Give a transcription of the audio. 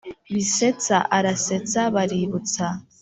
Bisetsa arasetsa Baributsa.